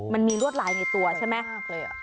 มันมีรวดลายในตัวใช่ไหม